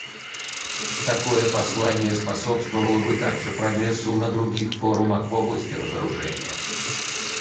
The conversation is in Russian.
Такое послание способствовало бы также прогрессу на других форумах в области разоружения.